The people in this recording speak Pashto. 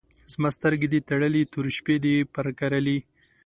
زما سترګې دي تړلي، تورې شپې دي پر کرلي